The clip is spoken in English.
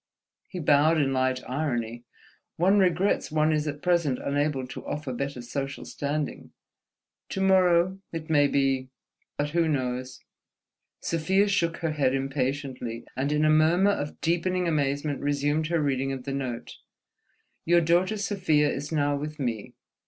He bowed in light irony. "One regrets one is at present unable to offer better social standing. To morrow, it may be ... But who knows?" Sofia shook her head impatiently, and in a murmur of deepening amazement resumed her reading of the note: _"'Your daughter Sofia is now with me..